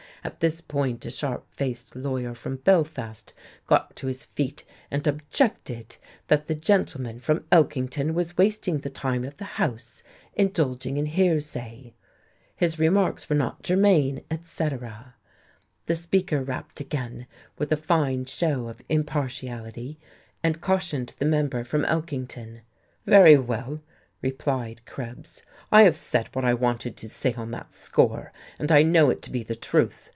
At this point a sharp faced lawyer from Belfast got to his feet and objected that the gentleman from Elkington was wasting the time of the House, indulging in hearsay. His remarks were not germane, etc. The Speaker rapped again, with a fine show of impartiality, and cautioned the member from Elkington. "Very well," replied Krebs. "I have said what I wanted to say on that score, and I know it to be the truth.